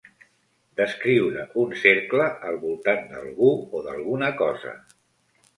Descriure un cercle al voltant d'algú o d'alguna cosa.